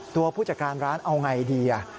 ตัวผู้จัดการร้านเอาอย่างไรดี